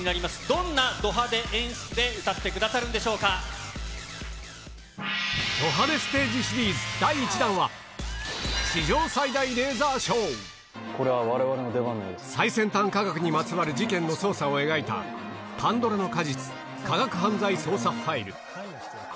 どんなド派手演出で歌ってくださド派手ステージシリーズ第１これはわれわれの出番のよう最先端科学にまつわる事件の捜査を描いた、パンドラの果実科学犯罪捜査ファイル。